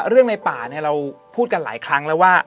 ในป่าเราพูดกันหลายครั้งแล้วว่า